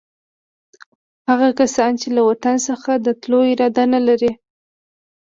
هغه کسان چې له وطن څخه د تللو اراده نه لري.